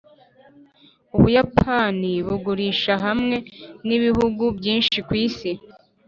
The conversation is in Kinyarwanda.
ubuyapani bugurisha hamwe nibihugu byinshi kwisi.